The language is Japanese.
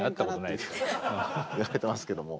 言われてますけども。